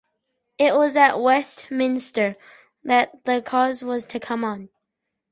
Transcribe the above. It was at Westminster that the cause was to come on.